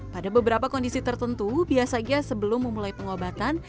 pada beberapa kondisi tertentu biasanya sebelum memulai pengobatan